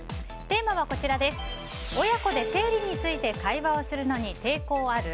テーマは親子で生理について会話をするのに抵抗ある？